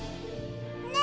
ねえ！